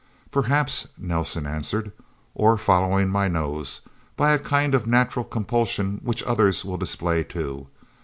"Perhaps," Nelsen answered. "Or following my nose by a kind of natural compulsion which others will display, too.